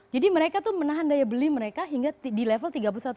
jadi mereka tuh menahan daya beli mereka hingga di level tiga puluh satu tujuh